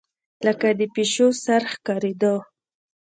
لکه د پيشو سر ښکارېدۀ